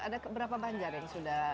ada berapa banjar yang sudah